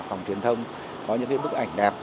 phòng truyền thông có những bức ảnh đẹp